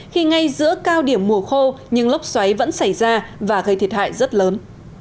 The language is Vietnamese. khi ngay giữa cao điểm mùa khô nhưng lốc xoáy vẫn xảy ra và gây thiệt hại rất lớn